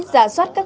gia soát các vấn đề